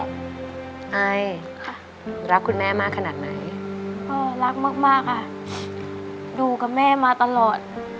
ไอค่ะรักคุณแม่มากขนาดไหนพ่อรักมากมากค่ะอยู่กับแม่มาตลอด